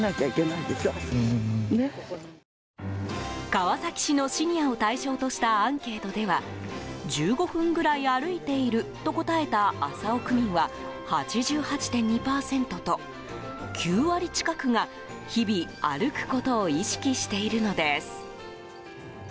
川崎市のシニアを対象としたアンケートでは１５分ぐらい歩いていると答えた麻生区民は８８．２％と９割近くが、日々歩くことを意識しているのです。